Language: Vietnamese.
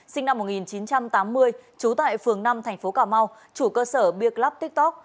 sinh năm một nghìn chín trăm tám mươi trú tại phường năm thành phố cà mau chủ cơ sở beer club tiktok